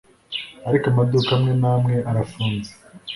ariko amaduka amwe n’amwe arafunze